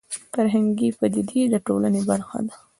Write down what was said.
فرهنګي پدیدې د ټولنې برخه دي